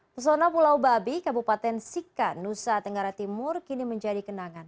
pesona pulau babi kabupaten sika nusa tenggara timur kini menjadi kenangan